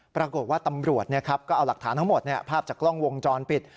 ปรากฏว่าตำรวจเนี่ยครับก็เอาหลักฐานทั้งหมดเนี่ยภาพจากกล้องวงจรปิด